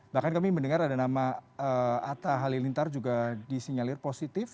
bahkan kami mendengar ada nama atta halilintar juga disinyalir positif